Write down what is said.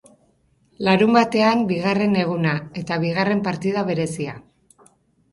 Larunbatean bigarren eguna eta bigarren partida berezia.